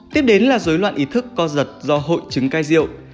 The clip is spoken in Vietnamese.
tiếp đến là dối loạn ý thức co giật do hội chứng cai rượu